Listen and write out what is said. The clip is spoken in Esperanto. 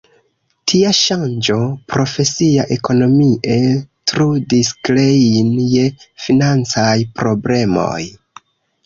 Tia ŝanĝo profesia ekonomie trudis Klein je financaj problemoj.